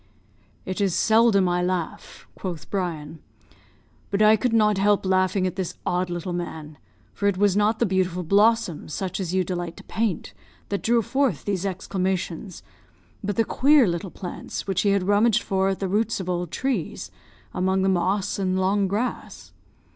"It is seldom I laugh," quoth Brian, "but I could not help laughing at this odd little man; for it was not the beautiful blossoms, such as you delight to paint, that drew forth these exclamations, but the queer little plants, which he had rummaged for at the roots of old trees, among the moss and long grass.